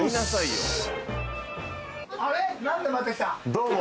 どうも。